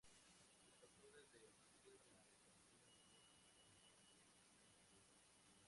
Sus captores le ofrecieron la alternativa de ser ejecutado o servir como gladiador.